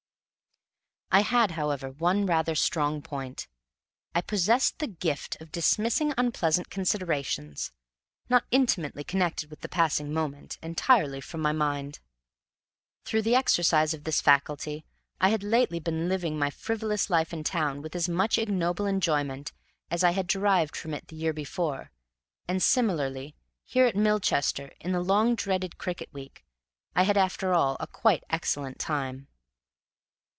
I had, however, one rather strong point. I possessed the gift of dismissing unpleasant considerations, not intimately connected with the passing moment, entirely from my mind. Through the exercise of this faculty I had lately been living my frivolous life in town with as much ignoble enjoyment as I had derived from it the year before; and similarly, here at Milchester, in the long dreaded cricket week, I had after all a quite excellent time.